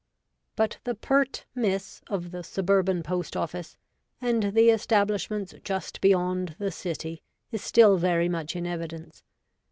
But the pert miss of the suburban post office, and the establishments just beyond the City, is still very much in evidence.